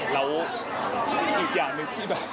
แล้วอีกอย่างหนึ่งที่แบบ